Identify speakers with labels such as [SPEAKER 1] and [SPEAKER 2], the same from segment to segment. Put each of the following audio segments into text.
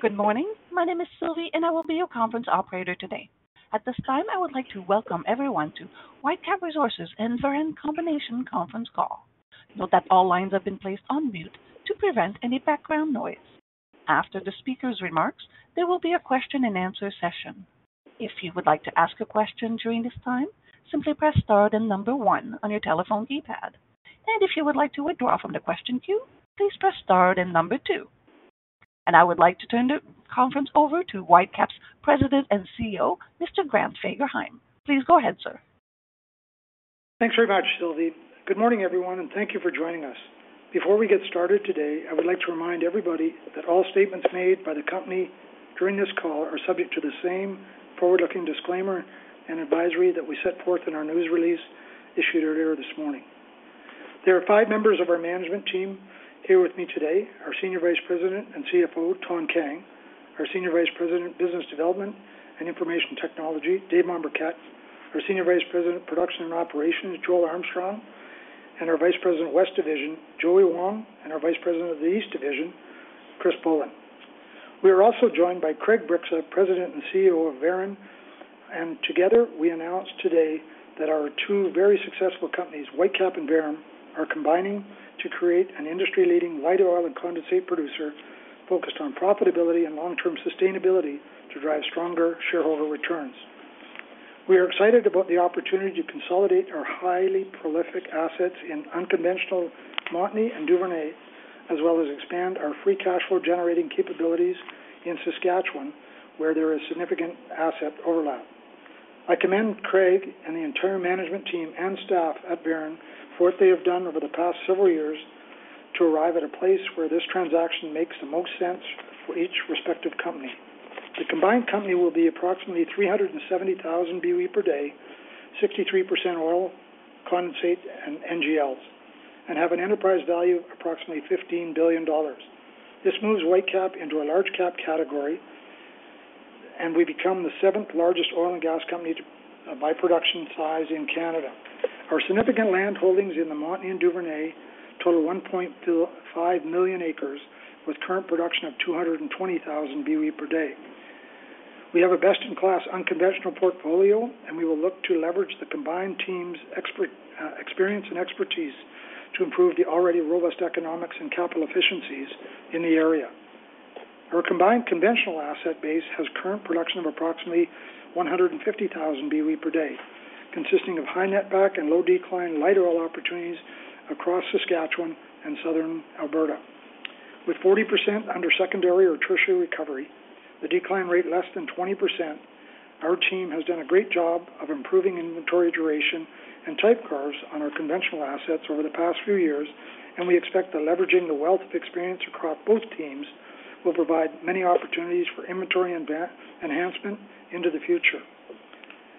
[SPEAKER 1] Good morning. My name is Sylvie, and I will be your conference operator today. At this time, I would like to welcome everyone to Whitecap Resources and Veren Combination Conference Call. Note that all lines have been placed on mute to prevent any background noise. After the speaker's remarks, there will be a question-and-answer session. If you would like to ask a question during this time, simply press star and number one on your telephone keypad. If you would like to withdraw from the question queue, please press star and number two. I would like to turn the conference over to Whitecap's President and CEO, Mr. Grant Fagerheim. Please go ahead, sir.
[SPEAKER 2] Thanks very much, Sylvie. Good morning, everyone, and thank you for joining us. Before we get started today, I would like to remind everybody that all statements made by the company during this call are subject to the same forward-looking disclaimer and advisory that we set forth in our news release issued earlier this morning. There are five members of our management team here with me today: our Senior Vice President and CFO, Thanh Kang; our Senior Vice President, Business Development and Information Technology, Dave Mombourquette; our Senior Vice President, Production and Operations, Joel Armstrong; our Vice President, West Division, Joey Wong; and our Vice President, East Division, Chris Bullin. We are also joined by Craig Bryksa, President and CEO of Veren. Together, we announce today that our two very successful companies, Whitecap and Veren, are combining to create an industry-leading light oil and condensate producer focused on profitability and long-term sustainability to drive stronger shareholder returns. We are excited about the opportunity to consolidate our highly prolific assets in unconventional Montney and Duvernay, as well as expand our free cash flow generating capabilities in Saskatchewan, where there is significant asset overlap. I commend Craig and the entire management team and staff at Veren for what they have done over the past several years to arrive at a place where this transaction makes the most sense for each respective company. The combined company will be approximately 370,000 BOE/d, 63% oil, condensate, and NGLs, and have an enterprise value of approximately 15 billion dollars. This moves Whitecap into a large-cap category, and we become the seventh largest oil and gas company by production size in Canada. Our significant land holdings in the Montney and Duvernay total 1.5 million acres, with current production of 220,000 BOE/d. We have a best-in-class unconventional portfolio, and we will look to leverage the combined team's experience and expertise to improve the already robust economics and capital efficiencies in the area. Our combined conventional asset base has current production of approximately 150,000 BOE/d, consisting of high-netback and low-decline light oil opportunities across Saskatchewan and southern Alberta. With 40% under secondary or tertiary recovery, the decline rate less than 20%, our team has done a great job of improving inventory duration and type curves on our conventional assets over the past few years, and we expect that leveraging the wealth of experience across both teams will provide many opportunities for inventory enhancement into the future.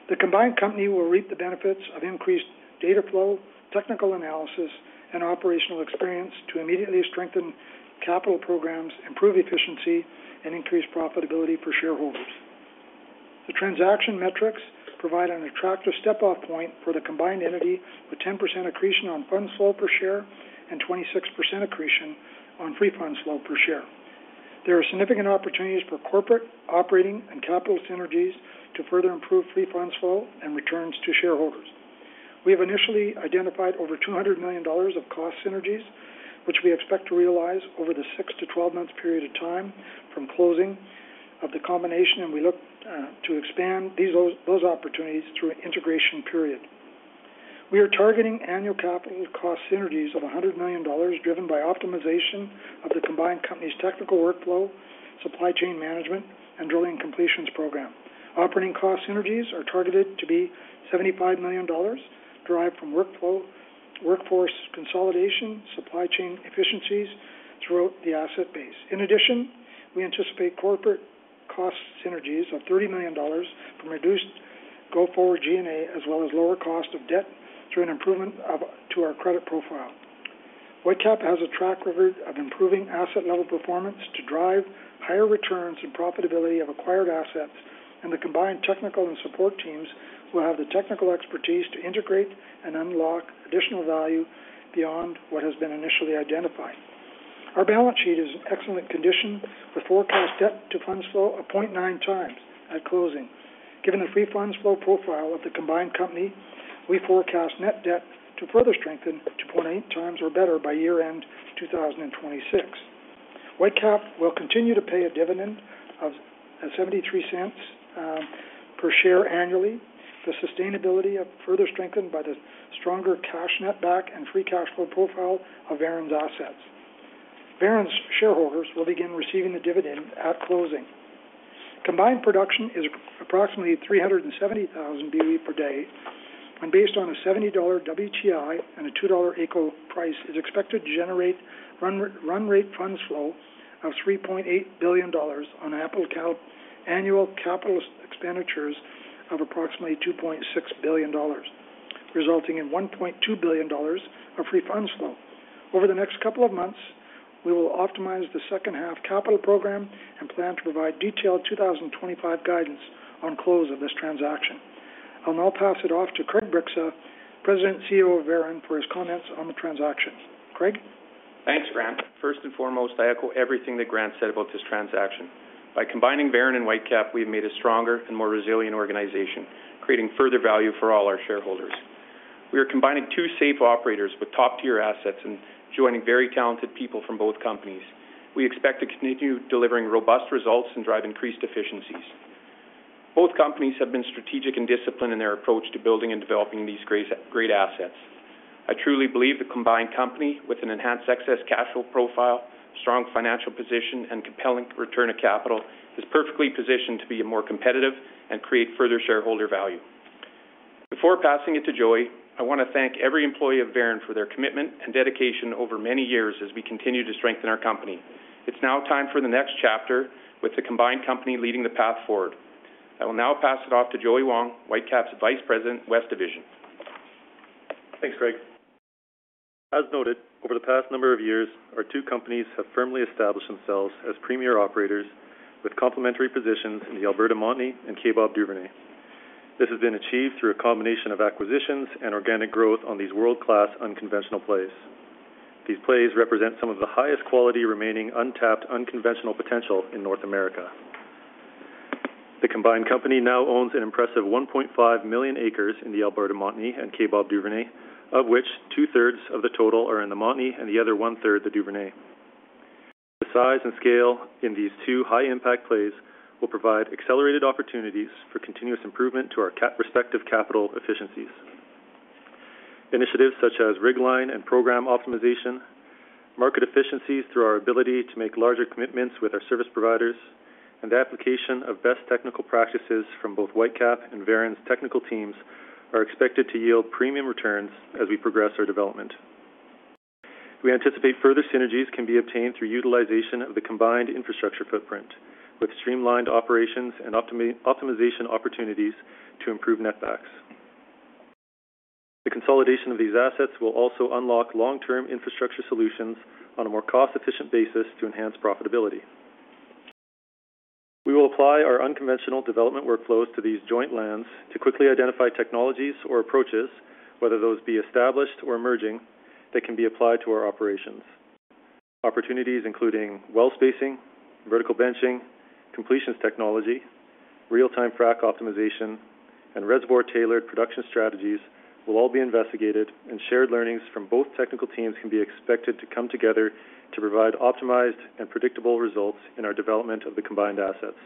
[SPEAKER 2] The combined company will reap the benefits of increased data flow, technical analysis, and operational experience to immediately strengthen capital programs, improve efficiency, and increase profitability for shareholders. The transaction metrics provide an attractive step-off point for the combined entity with 10% accretion on funds flow per share and 26% accretion on free funds flow per share. There are significant opportunities for corporate operating and capital synergies to further improve free funds flow and returns to shareholders. We have initially identified over 200 million dollars of cost synergies, which we expect to realize over the 6-12 months period of time from closing of the combination, and we look to expand those opportunities through an integration period. We are targeting annual capital cost synergies of 100 million dollars driven by optimization of the combined company's technical workflow, supply chain management, and drilling completions program. Operating cost synergies are targeted to be 75 million dollars derived from workforce consolidation, supply chain efficiencies throughout the asset base. In addition, we anticipate corporate cost synergies of 30 million dollars from reduced go-forward G&A as well as lower cost of debt through an improvement to our credit profile. Whitecap has a track record of improving asset-level performance to drive higher returns and profitability of acquired assets, and the combined technical and support teams will have the technical expertise to integrate and unlock additional value beyond what has been initially identified. Our balance sheet is in excellent condition with forecast debt to funds flow of 0.9 times at closing. Given the free funds flow profile of the combined company, we forecast net debt to further strengthen to 0.8 times or better by year-end 2026. Whitecap will continue to pay a 0.73 per share annually. The sustainability is further strengthened by the stronger cash netback and free funds flow profile of Veren's assets. Veren's shareholders will begin receiving the dividend at closing. Combined production is approximately 370,000 BOE per day, and based on a $70 WTI and a 2 dollar AECO price, is expected to generate run-rate funds flow of 3.8 billion dollars on annual capital expenditures of approximately 2.6 billion dollars, resulting in 1.2 billion dollars of free funds flow. Over the next couple of months, we will optimize the second-half capital program and plan to provide detailed 2025 guidance on close of this transaction. I'll now pass it off to Craig Bryksa, President and CEO of Veren, for his comments on the transaction. Craig?
[SPEAKER 3] Thanks, Grant. First and foremost, I echo everything that Grant said about this transaction. By combining Veren and Whitecap, we have made a stronger and more resilient organization, creating further value for all our shareholders. We are combining two safe operators with top-tier assets and joining very talented people from both companies. We expect to continue delivering robust results and drive increased efficiencies. Both companies have been strategic and disciplined in their approach to building and developing these great assets. I truly believe the combined company, with an enhanced excess cash flow profile, strong financial position, and compelling return of capital, is perfectly positioned to be more competitive and create further shareholder value. Before passing it to Joey, I want to thank every employee of Veren for their commitment and dedication over many years as we continue to strengthen our company. It's now time for the next chapter, with the combined company leading the path forward. I will now pass it off to Joey Wong, Whitecap's Vice President, West Division.
[SPEAKER 4] Thanks, Craig. As noted, over the past number of years, our two companies have firmly established themselves as premier operators with complementary positions in the Alberta Montney and Kaybob Duvernay. This has been achieved through a combination of acquisitions and organic growth on these world-class unconventional plays. These plays represent some of the highest quality remaining untapped unconventional potential in North America. The combined company now owns an impressive 1.5 million acres in the Alberta Montney and Kaybob Duvernay, of which two-thirds of the total are in the Montney and the other one-third the Duvernay. The size and scale in these two high-impact plays will provide accelerated opportunities for continuous improvement to our respective capital efficiencies. Initiatives such as rig line and program optimization, market efficiencies through our ability to make larger commitments with our service providers, and the application of best technical practices from both Whitecap and Veren's technical teams are expected to yield premium returns as we progress our development. We anticipate further synergies can be obtained through utilization of the combined infrastructure footprint, with streamlined operations and optimization opportunities to improve netbacks. The consolidation of these assets will also unlock long-term infrastructure solutions on a more cost-efficient basis to enhance profitability. We will apply our unconventional development workflows to these joint lands to quickly identify technologies or approaches, whether those be established or emerging, that can be applied to our operations. Opportunities including well spacing, vertical benching, completions technology, real-time frac optimization, and reservoir-tailored production strategies will all be investigated, and shared learnings from both technical teams can be expected to come together to provide optimized and predictable results in our development of the combined assets.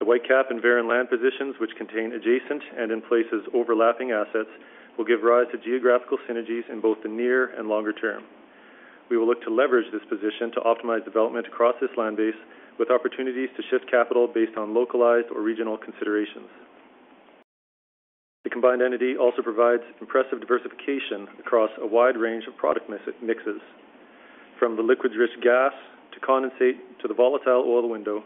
[SPEAKER 4] The Whitecap and Veren land positions, which contain adjacent and in places overlapping assets, will give rise to geographical synergies in both the near and longer term. We will look to leverage this position to optimize development across this land base with opportunities to shift capital based on localized or regional considerations. The combined entity also provides impressive diversification across a wide range of product mixes. From the liquid-rich gas to condensate to the volatile oil window,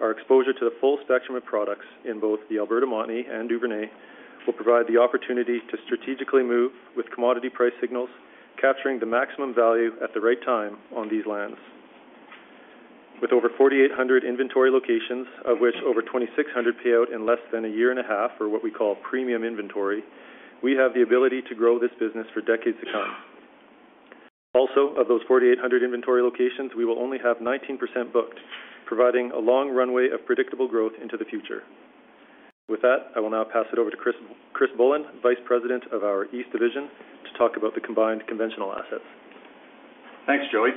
[SPEAKER 4] our exposure to the full spectrum of products in both the Alberta Montney and Duvernay will provide the opportunity to strategically move with commodity price signals, capturing the maximum value at the right time on these lands. With over 4,800 inventory locations, of which over 2,600 pay out in less than a year and a half for what we call premium inventory, we have the ability to grow this business for decades to come. Also, of those 4,800 inventory locations, we will only have 19% booked, providing a long runway of predictable growth into the future. With that, I will now pass it over to Chris Bullin, Vice President of our East Division, to talk about the combined conventional assets.
[SPEAKER 5] Thanks, Joey.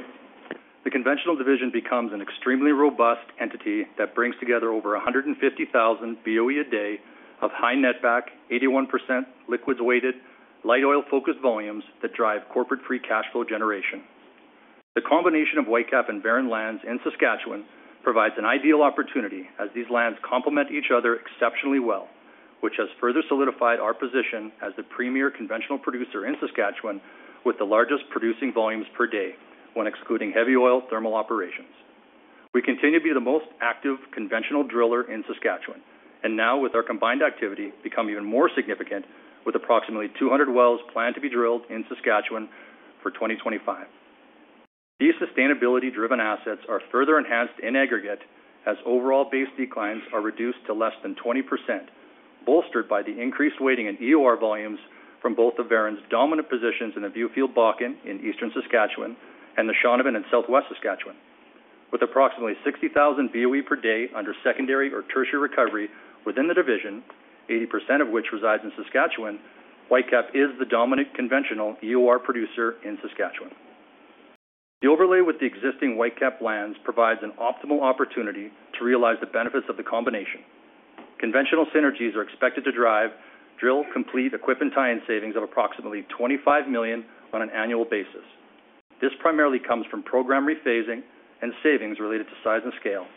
[SPEAKER 5] The conventional division becomes an extremely robust entity that brings together over 150,000 BOE/d a day of high netback, 81% liquids-weighted, light oil-focused volumes that drive corporate free funds flow generation. The combination of Whitecap and Veren lands in Saskatchewan provides an ideal opportunity as these lands complement each other exceptionally well, which has further solidified our position as the premier conventional producer in Saskatchewan with the largest producing volumes per day when excluding heavy oil thermal operations. We continue to be the most active conventional driller in Saskatchewan, and now with our combined activity become even more significant with approximately 200 wells planned to be drilled in Saskatchewan for 2025. These sustainability-driven assets are further enhanced in aggregate as overall base declines are reduced to less than 20%, bolstered by the increased weighting in EOR volumes from both of Veren's dominant positions in the Viewfield Bakken in eastern Saskatchewan and the Shaunavon in southwest Saskatchewan. With approximately 60,000 BOE/d under secondary or tertiary recovery within the division, 80% of which resides in Saskatchewan, Whitecap is the dominant conventional EOR producer in Saskatchewan. The overlay with the existing Whitecap lands provides an optimal opportunity to realize the benefits of the combination. Conventional synergies are expected to drive drill, complete, equip, and tie-in savings of approximately 25 million on an annual basis. This primarily comes from program rephasing and savings related to size and scale.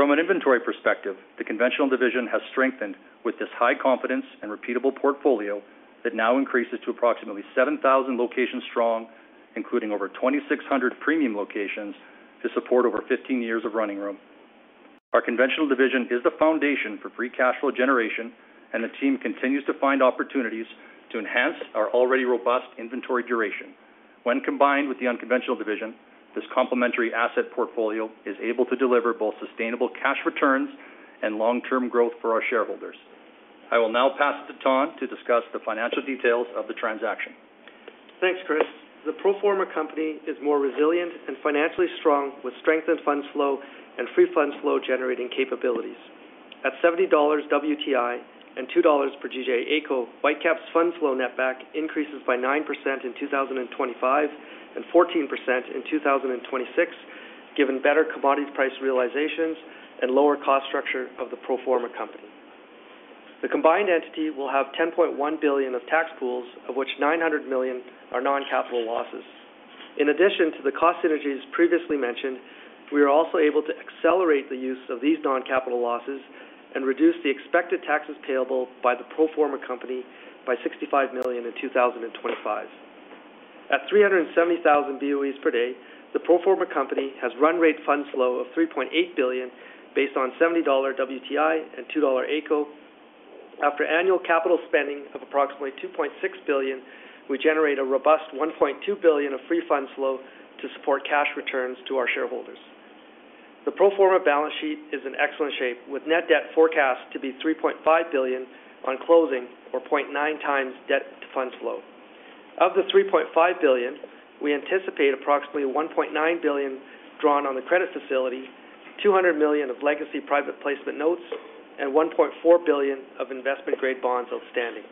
[SPEAKER 5] From an inventory perspective, the conventional division has strengthened with this high confidence and repeatable portfolio that now increases to approximately 7,000 locations strong, including over 2,600 premium locations to support over 15 years of running room. Our conventional division is the foundation for free cash flow generation, and the team continues to find opportunities to enhance our already robust inventory duration. When combined with the unconventional division, this complementary asset portfolio is able to deliver both sustainable cash returns and long-term growth for our shareholders. I will now pass it to Thanh to discuss the financial details of the transaction.
[SPEAKER 6] Thanks, Chris. The pro forma company is more resilient and financially strong with strengthened funds flow and free funds flow generating capabilities. At $70 WTI and 2 dollars per GJ AECO, Whitecap's funds flow netback increases by 9% in 2025 and 14% in 2026, given better commodity price realizations and lower cost structure of the pro forma company. The combined entity will have 10.1 billion of tax pools, of which 900 million are non-capital losses. In addition to the cost synergies previously mentioned, we are also able to accelerate the use of these non-capital losses and reduce the expected taxes payable by the pro forma company by 65 million in 2025. At 370,000 BOE/d, the pro forma company has run-rate funds flow of 3.8 billion based on $70 WTI and 2 dollar AECO. After annual capital spending of approximately 2.6 billion, we generate a robust 1.2 billion of free funds flow to support cash returns to our shareholders. The pro forma balance sheet is in excellent shape, with net debt forecast to be 3.5 billion on closing or 0.9 times debt to funds flow. Of the 3.5 billion, we anticipate approximately 1.9 billion drawn on the credit facility, 200 million of legacy private placement notes, and 1.4 billion of investment-grade bonds outstanding.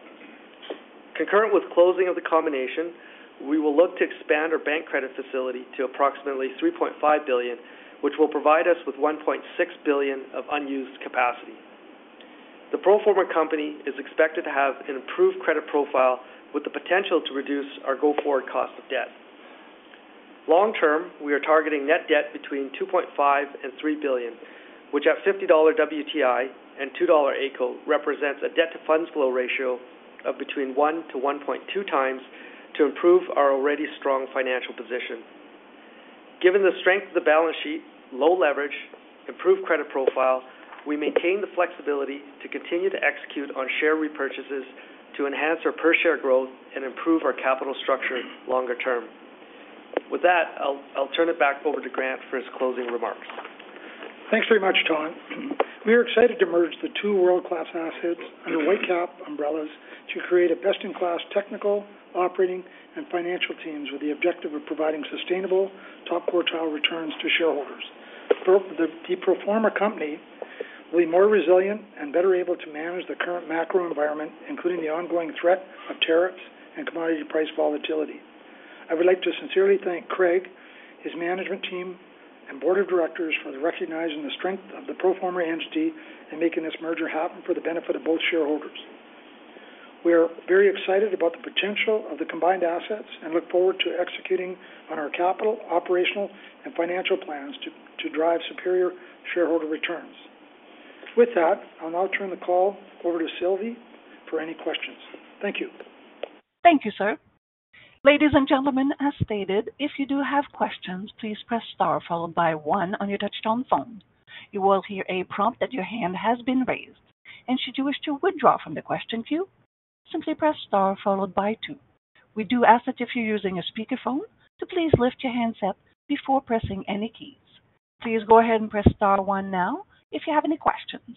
[SPEAKER 6] Concurrent with closing of the combination, we will look to expand our bank credit facility to approximately 3.5 billion, which will provide us with 1.6 billion of unused capacity. The pro forma company is expected to have an improved credit profile with the potential to reduce our go-forward cost of debt. Long-term, we are targeting net debt between 2.5 billion and 3 billion, which at $50 WTI and 2 dollar AECO represents a debt to funds flow ratio of between 1-1.2 times to improve our already strong financial position. Given the strength of the balance sheet, low leverage, improved credit profile, we maintain the flexibility to continue to execute on share repurchases to enhance our per-share growth and improve our capital structure longer term. With that, I'll turn it back over to Grant for his closing remarks.
[SPEAKER 2] Thanks very much, Thanh. We are excited to merge the two world-class assets under Whitecap umbrellas to create a best-in-class technical, operating, and financial team with the objective of providing sustainable, top quartile returns to shareholders. The pro forma company will be more resilient and better able to manage the current macro environment, including the ongoing threat of tariffs and commodity price volatility. I would like to sincerely thank Craig, his management team, and board of directors for recognizing the strength of the pro forma entity and making this merger happen for the benefit of both shareholders. We are very excited about the potential of the combined assets and look forward to executing on our capital, operational, and financial plans to drive superior shareholder returns. With that, I'll now turn the call over to Sylvie for any questions. Thank you.
[SPEAKER 1] Thank you, sir. Ladies and gentlemen, as stated, if you do have questions, please press star followed by one on your touch-tone phone. You will hear a prompt that your hand has been raised. Should you wish to withdraw from the question queue, simply press star followed by two. We do ask that if you're using a speakerphone, to please lift your handset before pressing any keys. Please go ahead and press star one now if you have any questions.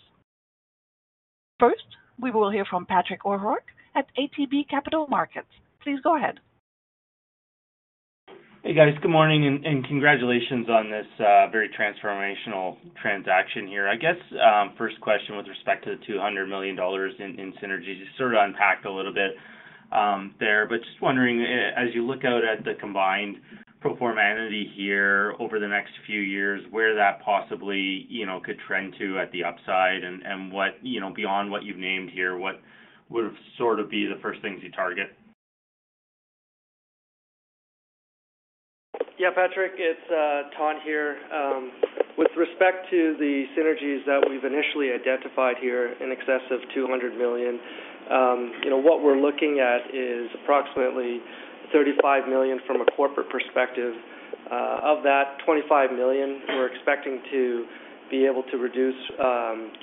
[SPEAKER 1] First, we will hear from Patrick O'Rourke at ATB Capital Markets. Please go ahead.
[SPEAKER 7] Hey, guys. Good morning and congratulations on this very transformational transaction here. I guess first question with respect to the 200 million dollars in synergies, you sort of unpacked a little bit there. Just wondering, as you look out at the combined pro forma entity here over the next few years, where that possibly could trend to at the upside and beyond what you've named here, what would sort of be the first things you target?
[SPEAKER 6] Yeah, Patrick, it's Thanh here. With respect to the synergies that we've initially identified here in excess of 200 million, what we're looking at is approximately 35 million from a corporate perspective. Of that, 25 million, we're expecting to be able to reduce from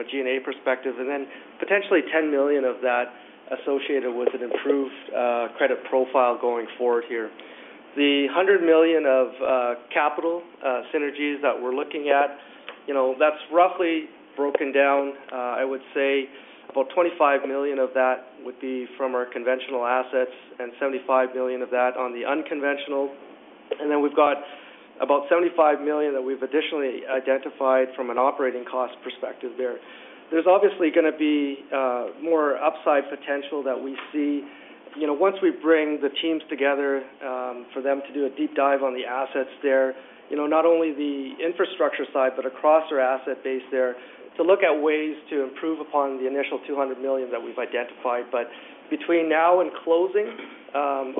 [SPEAKER 6] a G&A perspective, and then potentially 10 million of that associated with an improved credit profile going forward here. The 100 million of capital synergies that we're looking at, that's roughly broken down, I would say about 25 million of that would be from our conventional assets and 75 million of that on the unconventional. We've got about 75 million that we've additionally identified from an operating cost perspective there. There's obviously going to be more upside potential that we see. Once we bring the teams together for them to do a deep dive on the assets there, not only the infrastructure side but across our asset base there to look at ways to improve upon the initial 200 million that we've identified. Between now and closing,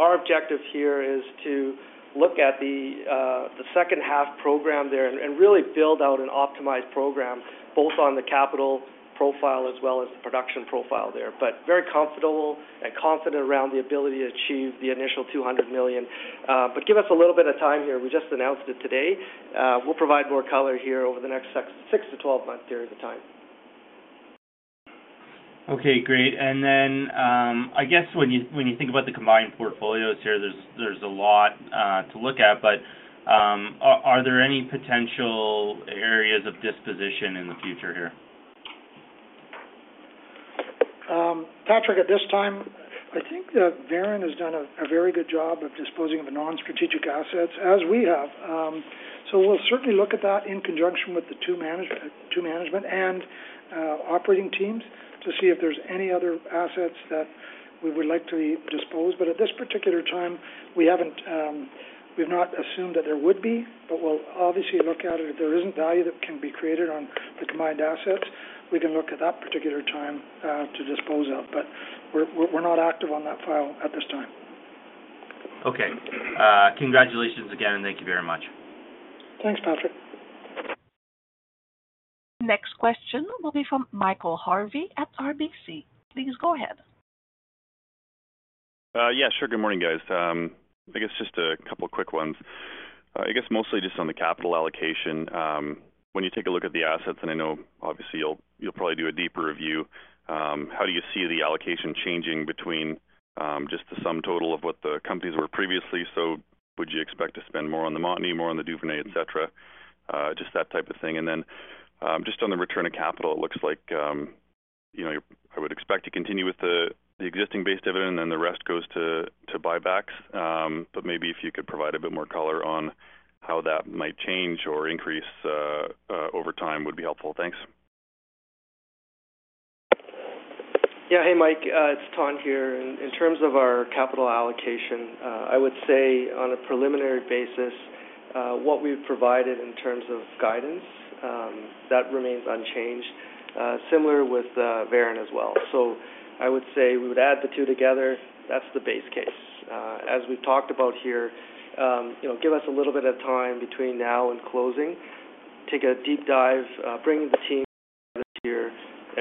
[SPEAKER 6] our objective here is to look at the second half program there and really build out an optimized program both on the capital profile as well as the production profile there. Very comfortable and confident around the ability to achieve the initial 200 million. Give us a little bit of time here. We just announced it today. We'll provide more color here over the next 6-12 month period of time.
[SPEAKER 7] Okay, great. I guess when you think about the combined portfolios here, there's a lot to look at. Are there any potential areas of disposition in the future here?
[SPEAKER 2] Patrick, at this time, I think that Veren has done a very good job of disposing of non-strategic assets as we have. We will certainly look at that in conjunction with the two management and operating teams to see if there are any other assets that we would like to dispose. At this particular time, we have not assumed that there would be, but we will obviously look at it. If there is not value that can be created on the combined assets, we can look at that particular time to dispose of. We are not active on that file at this time.
[SPEAKER 7] Okay. Congratulations again, and thank you very much.
[SPEAKER 2] Thanks, Patrick.
[SPEAKER 1] Next question will be from Michael Harvey at RBC. Please go ahead.
[SPEAKER 8] Yeah, sure. Good morning, guys. I guess just a couple of quick ones. I guess mostly just on the capital allocation. When you take a look at the assets, and I know obviously you'll probably do a deeper review, how do you see the allocation changing between just the sum total of what the companies were previously? Would you expect to spend more on the Montney, more on the Duvernay, et cetera? Just that type of thing. On the return of capital, it looks like I would expect to continue with the existing-based dividend, and then the rest goes to buybacks. Maybe if you could provide a bit more color on how that might change or increase over time would be helpful. Thanks.
[SPEAKER 6] Yeah, hey, Mike. It's Thanh here. In terms of our capital allocation, I would say on a preliminary basis, what we've provided in terms of guidance, that remains unchanged. Similar with Veren as well. I would say we would add the two together. That's the base case. As we've talked about here, give us a little bit of time between now and closing. Take a deep dive, bring the team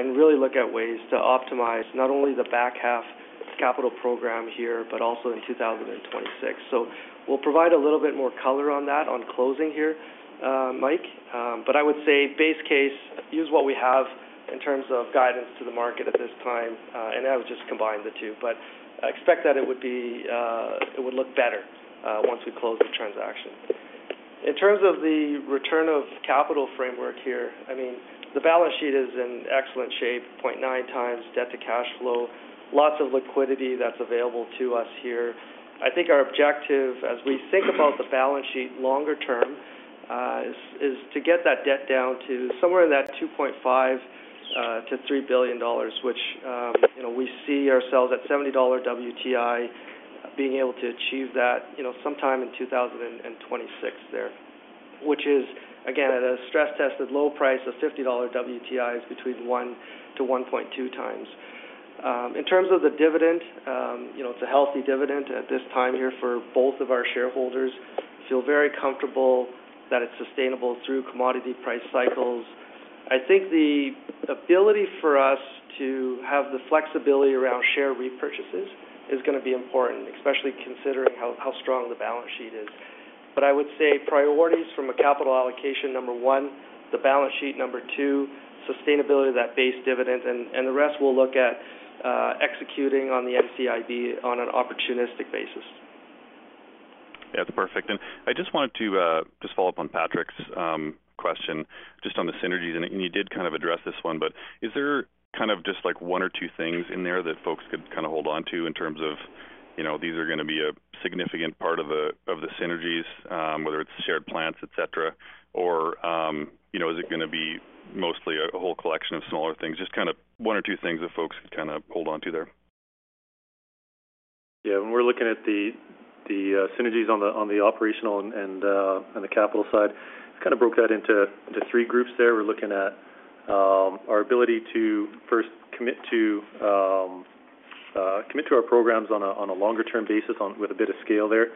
[SPEAKER 6] here and really look at ways to optimize not only the back half capital program here, but also in 2026. We'll provide a little bit more color on that on closing here, Mike. I would say base case, use what we have in terms of guidance to the market at this time. I would just combine the two. I expect that it would look better once we close the transaction. In terms of the return of capital framework here, I mean, the balance sheet is in excellent shape. 0.9 times debt to cash flow, lots of liquidity that's available to us here. I think our objective as we think about the balance sheet longer term is to get that debt down to somewhere in that 2.5 billion-3 billion dollars, which we see ourselves at $70 WTI being able to achieve that sometime in 2026 there, which is, again, at a stress-tested low price of $50 WTI, is between 1-1.2 times. In terms of the dividend, it's a healthy dividend at this time here for both of our shareholders. Feel very comfortable that it's sustainable through commodity price cycles. I think the ability for us to have the flexibility around share repurchases is going to be important, especially considering how strong the balance sheet is. I would say priorities from a capital allocation, number one, the balance sheet, number two, sustainability of that base dividend. The rest we'll look at executing on the NCIB on an opportunistic basis.
[SPEAKER 8] Yeah, that's perfect. I just wanted to follow up on Patrick's question just on the synergies. You did kind of address this one, but is there kind of just like one or two things in there that folks could kind of hold on to in terms of these are going to be a significant part of the synergies, whether it's shared plants, et cetera, or is it going to be mostly a whole collection of smaller things? Just kind of one or two things that folks could kind of hold on to there.
[SPEAKER 2] Yeah, when we're looking at the synergies on the operational and the capital side, kind of broke that into three groups there. We're looking at our ability to first commit to our programs on a longer-term basis with a bit of scale there.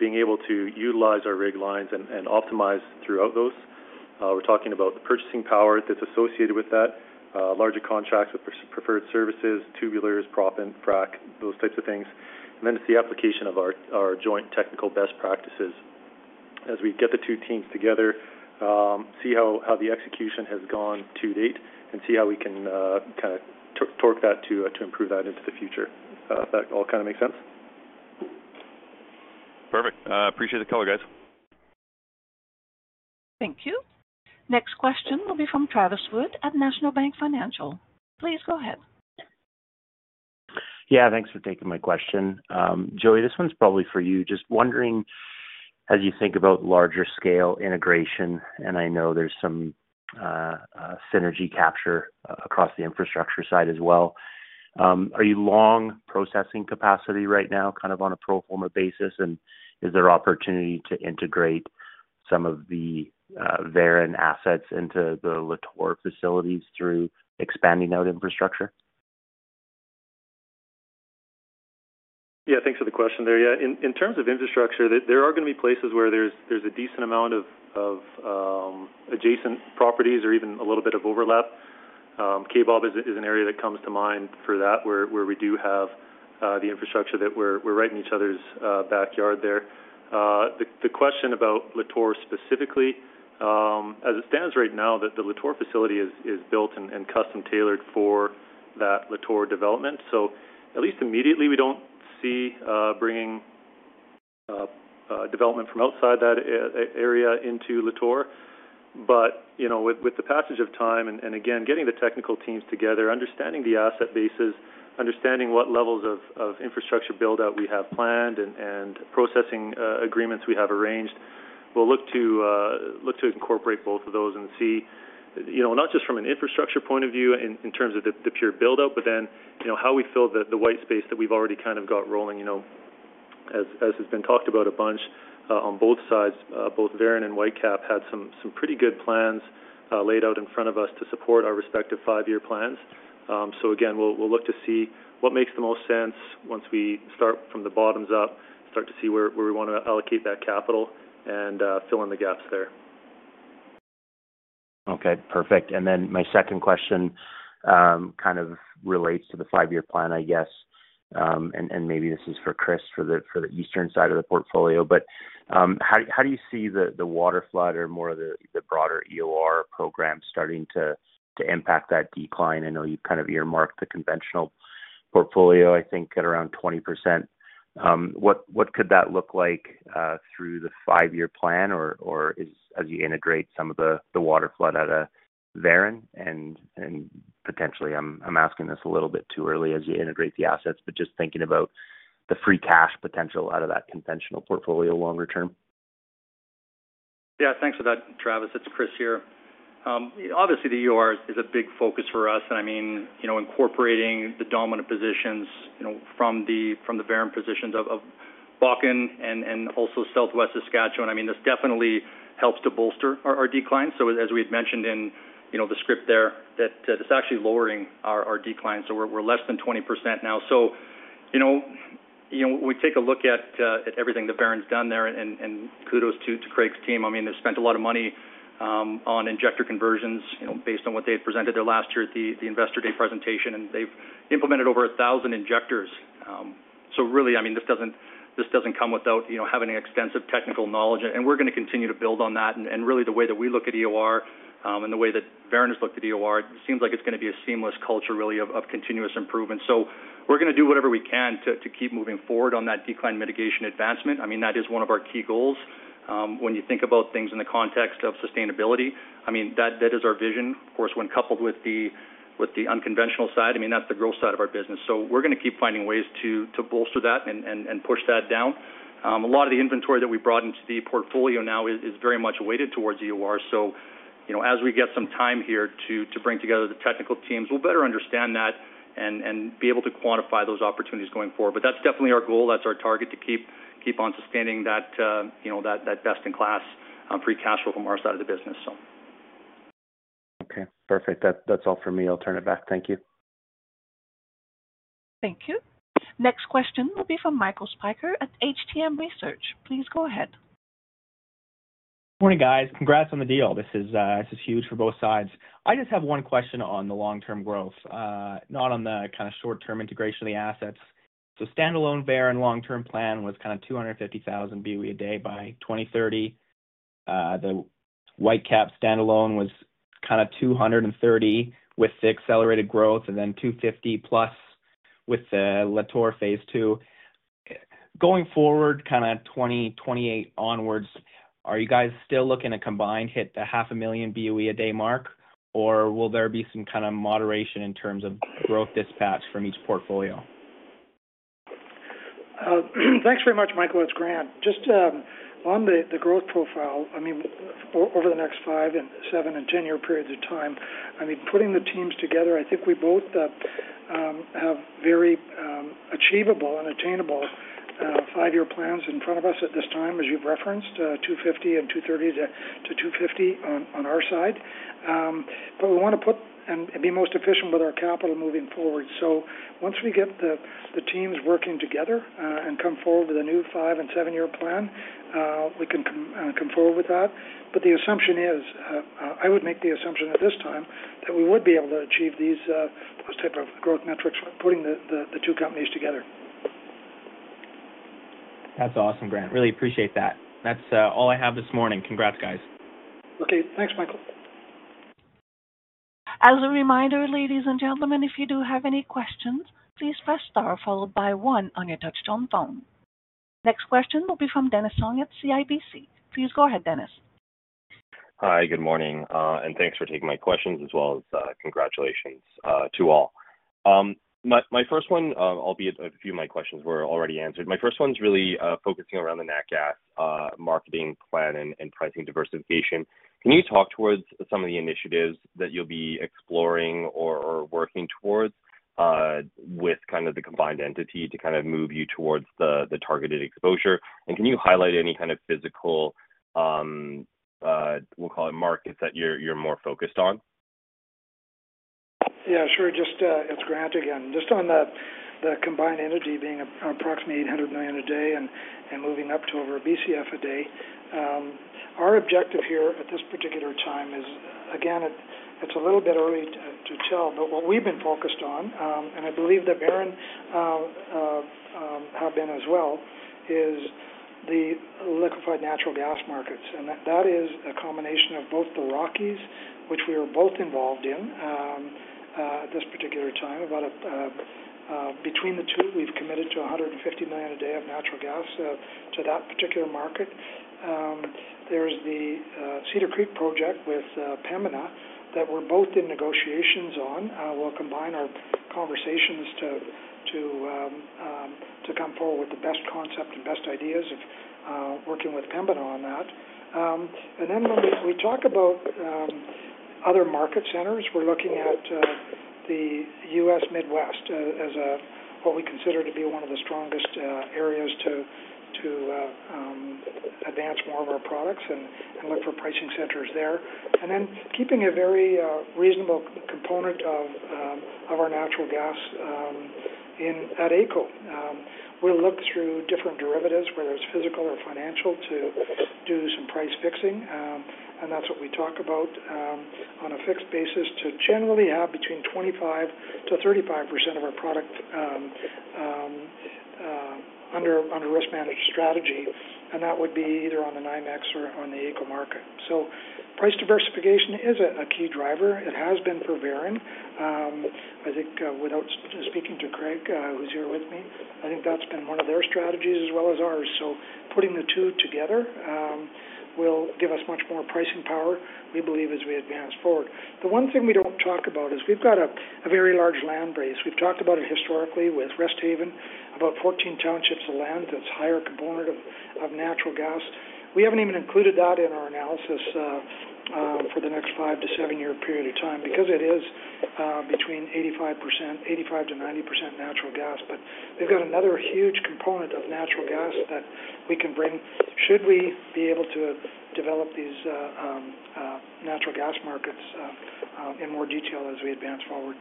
[SPEAKER 2] Being able to utilize our rig lines and optimize throughout those. We're talking about the purchasing power that's associated with that, larger contracts with preferred services, tubulars, prop and frac, those types of things. Then it's the application of our joint technical best practices. As we get the two teams together, see how the execution has gone to date and see how we can kind of torque that to improve that into the future. That all kind of makes sense?
[SPEAKER 8] Perfect. Appreciate the color, guys.
[SPEAKER 1] Thank you. Next question will be from Travis Wood at National Bank Financial. Please go ahead.
[SPEAKER 9] Yeah, thanks for taking my question. Joey, this one's probably for you. Just wondering, as you think about larger scale integration, and I know there's some synergy capture across the infrastructure side as well, are you long processing capacity right now kind of on a pro forma basis? Is there opportunity to integrate some of the Veren assets into the Lator facilities through expanding out infrastructure?
[SPEAKER 4] Yeah, thanks for the question there. Yeah, in terms of infrastructure, there are going to be places where there's a decent amount of adjacent properties or even a little bit of overlap. Kaybob is an area that comes to mind for that where we do have the infrastructure that we're right in each other's backyard there. The question about Lator specifically, as it stands right now, the Lator facility is built and custom tailored for that Lator development. At least immediately, we don't see bringing development from outside that area into Lator. With the passage of time and again, getting the technical teams together, understanding the asset bases, understanding what levels of infrastructure buildout we have planned and processing agreements we have arranged, we will look to incorporate both of those and see not just from an infrastructure point of view in terms of the pure buildout, but then how we fill the white space that we have already kind of got rolling. As has been talked about a bunch on both sides, both Veren and Whitecap had some pretty good plans laid out in front of us to support our respective five-year plans. Again, we will look to see what makes the most sense once we start from the bottoms up, start to see where we want to allocate that capital and fill in the gaps there.
[SPEAKER 9] Okay, perfect. My second question kind of relates to the five-year plan, I guess. Maybe this is for Chris for the eastern side of the portfolio. How do you see the waterflood or more of the broader EOR program starting to impact that decline? I know you've kind of earmarked the conventional portfolio, I think, at around 20%. What could that look like through the five-year plan? As you integrate some of the waterflood out of Veren and potentially I'm asking this a little bit too early as you integrate the assets, just thinking about the free cash potential out of that conventional portfolio longer term?
[SPEAKER 5] Yeah, thanks for that, Travis. It's Chris here. Obviously, the EOR is a big focus for us. I mean, incorporating the dominant positions from the Veren positions of Bakken and also Southwest Saskatchewan, I mean, this definitely helps to bolster our decline. As we had mentioned in the script there, it's actually lowering our decline. We're less than 20% now. When we take a look at everything that Veren's done there and kudos to Craig's team, they've spent a lot of money on injector conversions based on what they had presented there last year at the Investor Day presentation. They've implemented over 1,000 injectors. Really, this doesn't come without having extensive technical knowledge. We're going to continue to build on that. Really, the way that we look at EOR and the way that Veren has looked at EOR, it seems like it's going to be a seamless culture really of continuous improvement. We are going to do whatever we can to keep moving forward on that decline mitigation advancement. I mean, that is one of our key goals. When you think about things in the context of sustainability, I mean, that is our vision. Of course, when coupled with the unconventional side, I mean, that's the growth side of our business. We are going to keep finding ways to bolster that and push that down. A lot of the inventory that we brought into the portfolio now is very much weighted towards EOR. As we get some time here to bring together the technical teams, we will better understand that and be able to quantify those opportunities going forward. That is definitely our goal. That is our target to keep on sustaining that best-in-class free cash flow from our side of the business.
[SPEAKER 9] Okay, perfect. That's all for me. I'll turn it back. Thank you.
[SPEAKER 1] Thank you. Next question will be from Michael Spyker at HTM Research. Please go ahead.
[SPEAKER 10] Good morning, guys. Congrats on the deal. This is huge for both sides. I just have one question on the long-term growth, not on the kind of short-term integration of the assets. Standalone Veren long-term plan was kind of 250,000 BOE a day by 2030. The Whitecap standalone was kind of 230 with the accelerated growth and then 250 plus with the Lator phase two. Going forward kind of 2028 onwards, are you guys still looking to combine hit the 500,000 BOE a day mark, or will there be some kind of moderation in terms of growth dispatch from each portfolio?
[SPEAKER 2] Thanks very much, Michael. It's Grant. Just on the growth profile, I mean, over the next five and seven and ten-year periods of time, I mean, putting the teams together, I think we both have very achievable and attainable five-year plans in front of us at this time, as you've referenced, 250 and 230-250 on our side. We want to put and be most efficient with our capital moving forward. Once we get the teams working together and come forward with a new five and seven-year plan, we can come forward with that. The assumption is, I would make the assumption at this time that we would be able to achieve those types of growth metrics putting the two companies together.
[SPEAKER 10] That's awesome, Grant. Really appreciate that. That's all I have this morning. Congrats, guys.
[SPEAKER 2] Okay, thanks, Michael.
[SPEAKER 1] As a reminder, ladies and gentlemen, if you do have any questions, please press star followed by one on your touch-tone phone. Next question will be from Dennis Fong at CIBC. Please go ahead, Dennis.
[SPEAKER 11] Hi, good morning. Thanks for taking my questions as well as congratulations to all. My first one, albeit a few of my questions were already answered. My first one's really focusing around the NACap marketing plan and pricing diversification. Can you talk towards some of the initiatives that you'll be exploring or working towards with kind of the combined entity to kind of move you towards the targeted exposure? Can you highlight any kind of physical, we'll call it markets that you're more focused on?
[SPEAKER 2] Yeah, sure. It's Grant again. Just on the combined entity being approximately 800 million a day and moving up to over a BCF a day, our objective here at this particular time is, again, it's a little bit early to tell, but what we've been focused on, and I believe that Veren have been as well, is the liquefied natural gas markets. That is a combination of both the Rockies, which we are both involved in at this particular time. Between the two, we've committed to 150 million a day of natural gas to that particular market. There is the Cedar Creek project with Pembina that we're both in negotiations on. We will combine our conversations to come forward with the best concept and best ideas of working with Pembina on that. When we talk about other market centers, we're looking at the US Midwest as what we consider to be one of the strongest areas to advance more of our products and look for pricing centers there. Keeping a very reasonable component of our natural gas at AECO. We'll look through different derivatives, whether it's physical or financial, to do some price fixing. That's what we talk about on a fixed basis to generally have between 25% and 35% of our product under risk management strategy. That would be either on the NYMEX or on the AECO market. Price diversification is a key driver. It has been for Veren. I think without speaking to Craig, who's here with me, I think that's been one of their strategies as well as ours. Putting the two together will give us much more pricing power, we believe, as we advance forward. The one thing we do not talk about is we have a very large land base. We have talked about it historically with Resthaven, about 14 townships of land that is a higher component of natural gas. We have not even included that in our analysis for the next five- to seven-year period of time because it is between 85% and 90% natural gas. We have another huge component of natural gas that we can bring should we be able to develop these natural gas markets in more detail as we advance forward.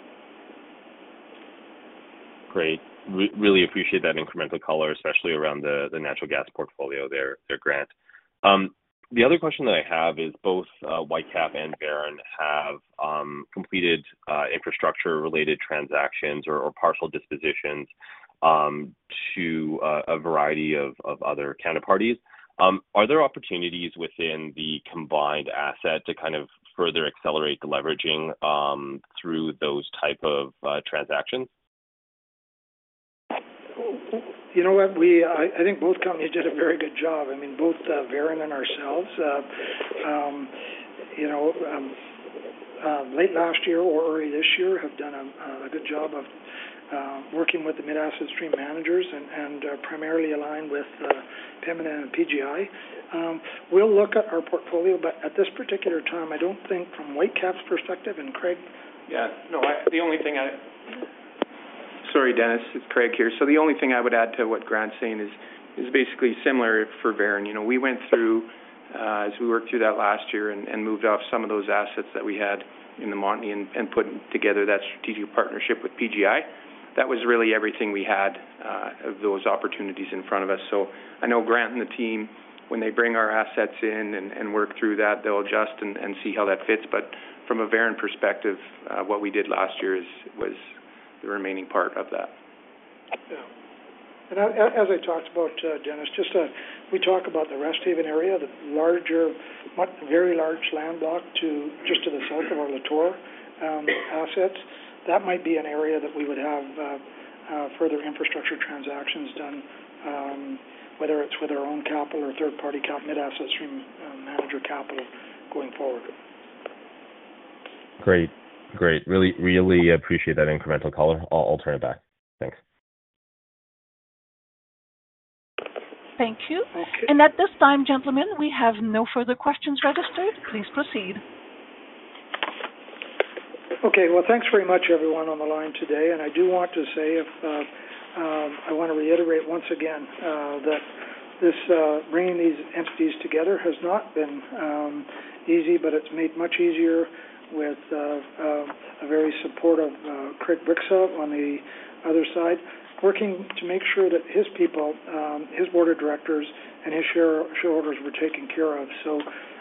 [SPEAKER 11] Great. Really appreciate that incremental color, especially around the natural gas portfolio there, Grant. The other question that I have is both Whitecap and Veren have completed infrastructure-related transactions or partial dispositions to a variety of other counterparties. Are there opportunities within the combined asset to kind of further accelerate the leveraging through those type of transactions?
[SPEAKER 2] You know what? I think both companies did a very good job. I mean, both Veren and ourselves, late last year or early this year, have done a good job of working with the mid-asset stream managers and primarily aligned with Pembina and PGI. We'll look at our portfolio, but at this particular time, I don't think from Whitecap's perspective and Craig.
[SPEAKER 3] Yeah, no, the only thing I—sorry, Dennis, it's Craig here. The only thing I would add to what Grant's saying is basically similar for Veren. We went through, as we worked through that last year and moved off some of those assets that we had in the Montney and put together that strategic partnership with PGI. That was really everything we had of those opportunities in front of us. I know Grant and the team, when they bring our assets in and work through that, they'll adjust and see how that fits. From a Veren perspective, what we did last year was the remaining part of that.
[SPEAKER 2] Yeah. As I talked about, Dennis, just we talk about the Resthaven area, the very large land block just to the south of our Lator assets. That might be an area that we would have further infrastructure transactions done, whether it's with our own capital or third-party mid-asset stream manager capital going forward.
[SPEAKER 11] Great. Great. Really appreciate that incremental color. I'll turn it back. Thanks.
[SPEAKER 1] Thank you. At this time, gentlemen, we have no further questions registered. Please proceed.
[SPEAKER 2] Okay. Thank you very much, everyone on the line today. I do want to say I want to reiterate once again that bringing these entities together has not been easy, but it is made much easier with a very supportive Craig Bryksa on the other side working to make sure that his people, his board of directors, and his shareholders were taken care of.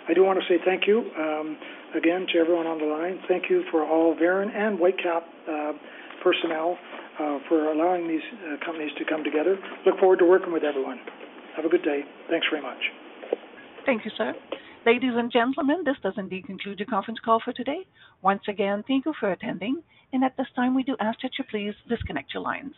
[SPEAKER 2] I do want to say thank you again to everyone on the line. Thank you for all Veren and Whitecap personnel for allowing these companies to come together. Look forward to working with everyone. Have a good day. Thank you very much.
[SPEAKER 1] Thank you, sir. Ladies and gentlemen, this does indeed conclude your conference call for today. Once again, thank you for attending. At this time, we do ask that you please disconnect your lines.